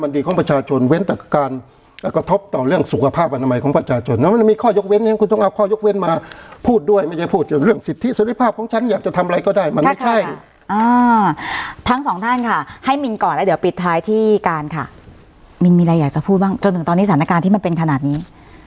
เดี๋ยวปิดท้ายที่การค่ะมินมีอะไรอยากจะพูดบ้างจนถึงตอนนี้สถานการณ์ที่มันเป็นขนาดนี้